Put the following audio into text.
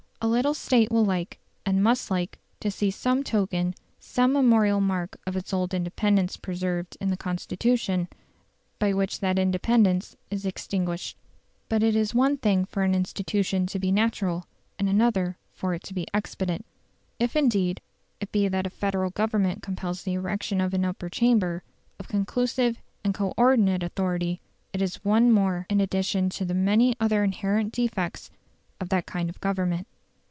A little State will like, and must like, to see some token, some memorial mark of its old independence preserved in the Constitution by which that independence is extinguished. But it is one thing for an institution to be natural, and another for it to be expedient. If indeed it be that a Federal Government compels the erection of an Upper Chamber of conclusive and co ordinate authority, it is one more in addition to the many other inherent defects of that kind of Government.